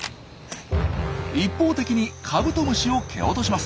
一方的にカブトムシを蹴落とします。